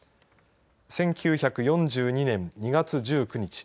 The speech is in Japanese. １９４２年２月１９日